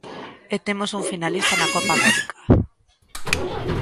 E temos un finalista na Copa América.